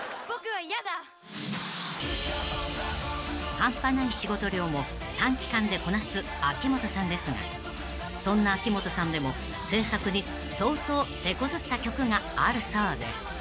［半端ない仕事量も短期間でこなす秋元さんですがそんな秋元さんでも制作に相当てこずった曲があるそうで］